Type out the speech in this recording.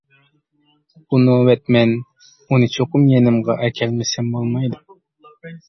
بۇ نۆۋەت مەن ئۇنى چوقۇم يېنىمغا ئەكەلمىسەم بولمايدۇ.